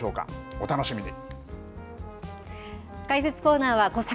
お楽しみに。